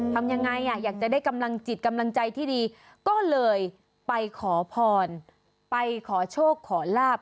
ทำยังไงอ่ะอยากจะได้กำลังจิตกำลังใจที่ดีก็เลยไปขอพรไปขอโชคขอลาบ